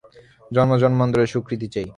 জন্মজন্মান্তরের সুকৃতি চাই।